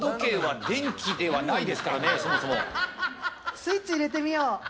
スイッチ入れてみよう。